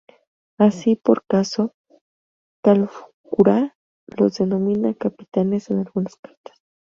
Así, por caso, Calfucurá, los denomina "capitanes" en algunas cartas.